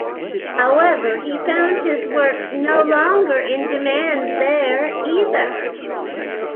However, he found his works no longer in demand there either.